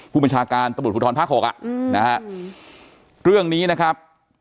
ผู้บัญชาการตำรวจภูทรภาค๖อ่ะนะฮะเรื่องนี้นะครับ